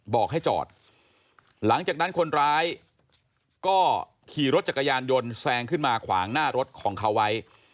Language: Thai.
บอกให้จอดหลังจากนั้นคนร้ายก็ขี่รถจักรยานยนต์แซงขึ้นมาขวางหน้ารถของเขาไว้